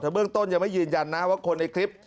เบื้องต้นยังไม่ยืนยันนะว่าคนในคลิป